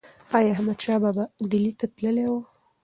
ایا احمدشاه بابا ډیلي ته تللی و؟